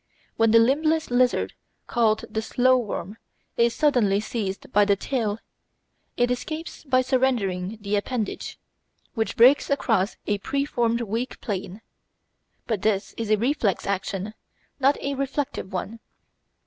When the limbless lizard called the Slow worm is suddenly seized by the tail, it escapes by surrendering the appendage, which breaks across a preformed weak plane. But this is a reflex action, not a reflective one.